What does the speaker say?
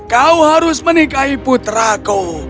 kau harus menikahi putraku